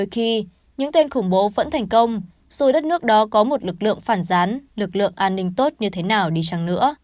khi những tên khủng bố vẫn thành công dù đất nước đó có một lực lượng phản gián lực lượng an ninh tốt như thế nào đi chăng nữa